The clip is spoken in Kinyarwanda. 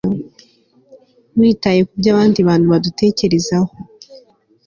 Witaye kubyo abandi bantu badutekerezaho